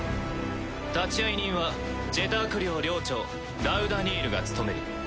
立会人はジェターク寮寮長ラウダ・ニールが務める。